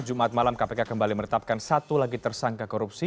jumat malam kpk kembali menetapkan satu lagi tersangka korupsi